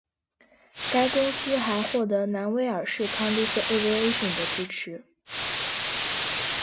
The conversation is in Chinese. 该公司还获得南威尔士 Cardiff Aviation 的支持。